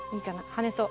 跳ねそう。